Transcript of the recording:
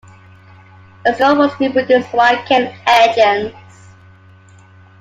Its goal was to produce Wankel engines.